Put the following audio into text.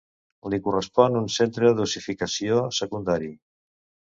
Li correspon un centre d'ossificació secundari.